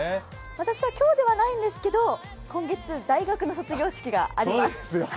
私は今日ではないんですけれども、今月、大学の卒業式があります。